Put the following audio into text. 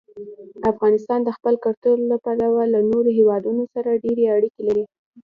افغانستان د خپل کلتور له پلوه له نورو هېوادونو سره ډېرې اړیکې لري.